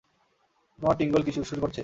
তোমার টিঙ্গল কি সুড়সুড় করছে?